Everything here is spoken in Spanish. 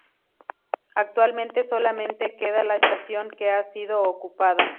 Actualmente solamente queda la estación que ha sido ocupada.